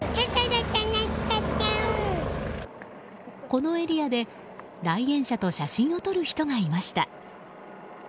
このエリアで来園者と写真を撮る人がいました。